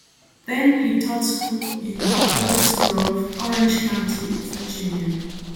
Then, he taught school in Locust Grove, Orange County, Virginia.